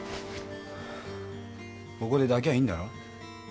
ここで抱きゃあいいんだろ？